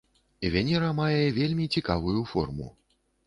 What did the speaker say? Венера мае вельмі цікавую форму.